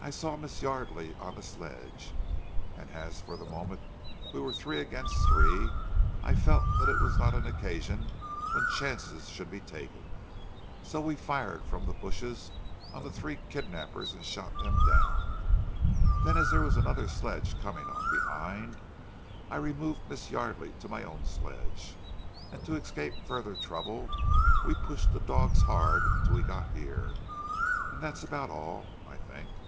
I saw Miss Yardely on the sledge, and as for the moment we were three against three, I felt that it was not an occasion when chances should be taken, so we fired from the bushes on the three kidnappers and shot them down. Then as there was another sledge coming on behind, I removed Miss Yardely to my own sledge, and to escape further trouble we pushed the dogs hard till we got here.... And that's about all, I think."